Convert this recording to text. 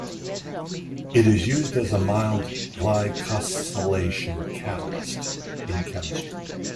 It is used as a mild glycosylation catalyst in chemistry.